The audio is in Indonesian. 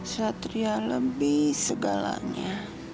satria lebih segalanya